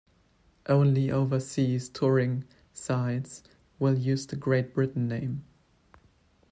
Only overseas touring sides will use the Great Britain name.